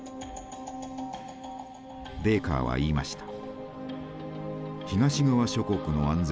ベーカーは言いました。